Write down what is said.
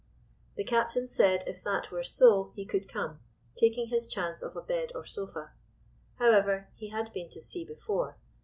The captain said if that were so he could come, taking his chance of a bed or sofa. However, he had been to sea before.